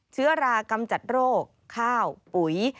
เชื้อรากำจัดโรคข้าวปุ๋ย